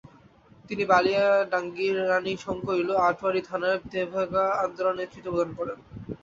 তিনি বালিয়াডাঙ্গী, রাণীশংকৈল, আটোয়ারী থানায় তেভাগা আন্দোলনে নেতৃত্ব প্রদান করেন।